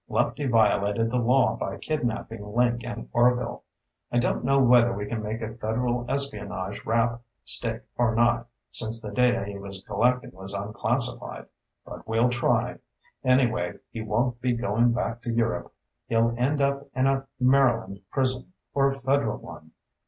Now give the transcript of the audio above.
"Lefty violated the law by kidnaping Link and Orvil. I don't know whether we can make a federal espionage rap stick or not, since the data he was collecting was unclassified. But we'll try. Anyway, he won't be going back to Europe. He'll end up in a Maryland prison, or a Federal one.